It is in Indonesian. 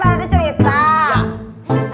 tanganmu hilang padeh